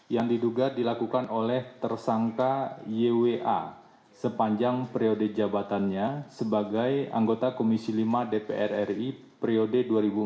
yang diduga dilakukan oleh tersangka ywa sepanjang periode jabatannya sebagai anggota komisi lima dpr ri periode dua ribu empat belas dua ribu